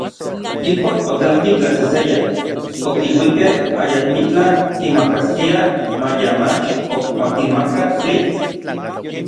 Ijkuak otlanki tlaseseya, okiluikej ayakmitlaj kimakaskiaj maya mach ok makinmaka tlitl.